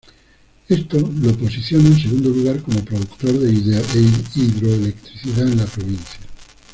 Esto lo posiciona en segundo lugar como productor de hidroelectricidad en la provincia.